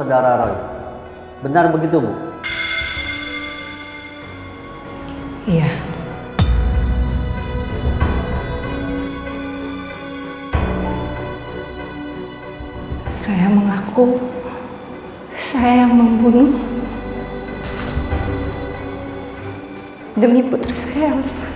demi putri saya